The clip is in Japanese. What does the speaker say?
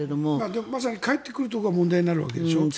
まさに帰ってくるところが問題になるわけでしょ。